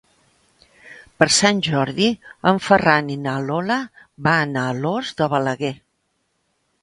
Per Sant Jordi en Ferran i na Lola van a Alòs de Balaguer.